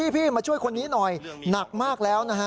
พี่มาช่วยคนนี้หน่อยหนักมากแล้วนะฮะ